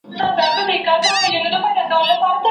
ملایان دي لېوني د سپینو حورو